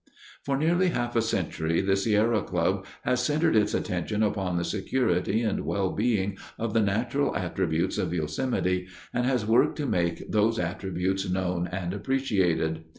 For nearly half a century the Sierra Club has centered its attention upon the security and well being of the natural attributes of Yosemite and has worked to make those attributes known and appreciated.